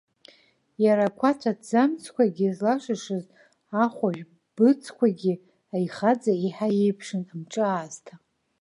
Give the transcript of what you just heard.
Иара ақәацә аҭӡамцқәагьы злашышыз ахәажә быцқәагьы аихаӡа еиҳа еиԥшын, амҿы аасҭа.